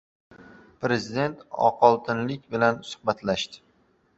Prezident oqoltinliklar bilan suhbatlashdi